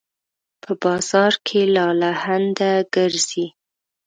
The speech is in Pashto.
په بازار کې لالهانده ګرځي